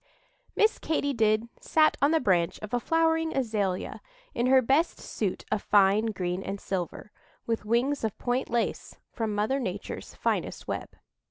MISS KATY DID sat on the branch of a flowering azalea, in her best suit of fine green and silver, with wings of point lace from Mother Nature's finest web.